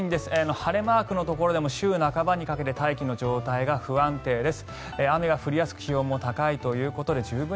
晴れマークのところでも週半ばにかけて大気の状態が不安定です。